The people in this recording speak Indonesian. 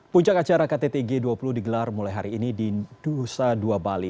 puncak acara kttg dua puluh digelar mulai hari ini di dusa dua bali